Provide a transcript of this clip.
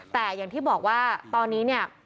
แต่อย่างที่บอกว่าตอนนี้เนี่ย